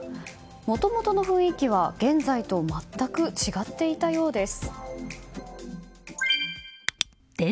もともとの雰囲気は現在と全く違っていたようです。